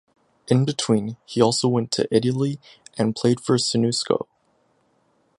In between he also went to Italy, and played for Cernusco.